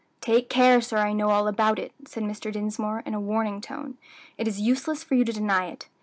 "Take care, sir; I know all about it," said Mr. Dinsmore, in a warning tone; "it is useless for you to deny it.